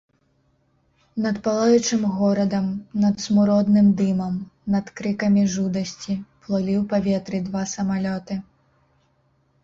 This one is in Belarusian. Над палаючым горадам, над смуродным дымам, над крыкамі жудасці плылі ў паветры два самалёты.